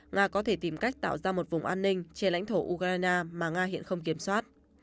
nga có thể tìm cách tạo ra một vùng an ninh trên lãnh thổ ukraine mà nga hiện không kiểm soát